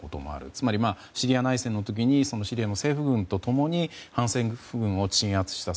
つまり、シリア内戦の時にシリア政府軍と共に反政府軍を鎮圧した。